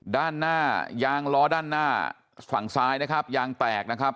ด้านหน้ายางล้อด้านหน้าฝั่งซ้ายนะครับยางแตกนะครับ